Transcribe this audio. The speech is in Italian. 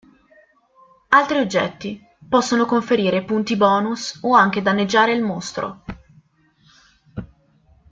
Altri oggetti possono conferire punti bonus o anche danneggiare il mostro.